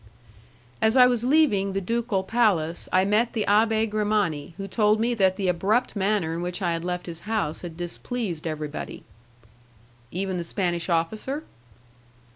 As I was leaving the ducal palace, I met the Abbé Grimani who told me that the abrupt manner in which I had left his house had displeased everybody. "Even the Spanish officer?"